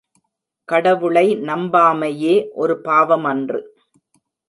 கடவுளை நம்பாமையே ஒரு பாவமன்று.